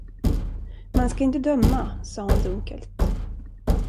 Man ska inte döma, sade hon dunkelt.